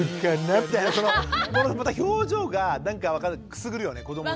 みたいなそのまた表情がなんかくすぐるよね子どもの。